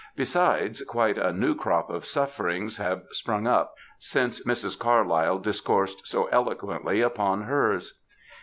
Besides, quite a new crop of sufferings have sprung up since Mrs. Carlyle discoursed so eloquently upon hers.